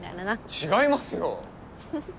違いますよ！